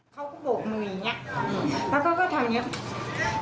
เขาก็บวกมืออย่างนี้แล้วก็ทำอย่างนี้